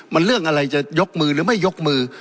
มันเรื่องอะไรจะยกมือหรือไม่ยกมือ